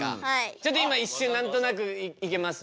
ちょっと今一瞬何となくいけます？